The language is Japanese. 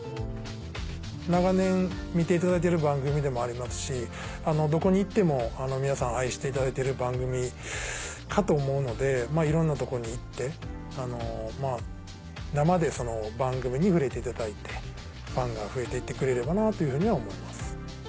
長年見ていただいている番組でもありますしどこに行っても皆さん愛していただいている番組かと思うのでいろんな所に行って生で番組に触れていただいてファンが増えて行ってくれればなというふうには思います。